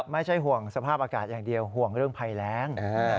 ไม่ใช่ห่วงสภาพอากาศอย่างเดียวห่วงเรื่องภัยแรง